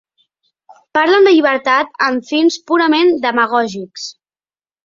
Parlen de llibertat amb fins purament demagògics.